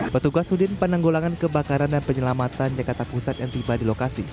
petugas udin penanggulangan kebakaran dan penyelamatan jakarta pusat yang tiba di lokasi